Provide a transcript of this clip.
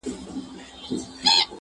• پلمې نه غواړي څېرلو ته د وریانو ,